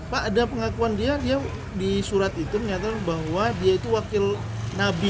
pak ada pengakuan dia dia di surat itu menyatakan bahwa dia itu wakil nabi